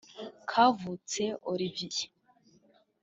Kavutse Olivier